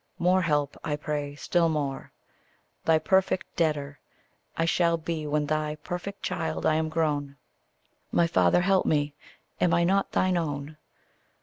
More help, I pray, still more. Thy perfect debtor I shall be when thy perfect child I am grown. My Father, help me am I not thine own?